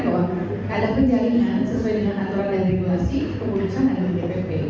bahwa kalau kejadian sesuai dengan aturan dan regulasi keputusan adalah di dpw